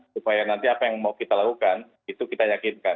supaya nanti apa yang mau kita lakukan itu kita yakinkan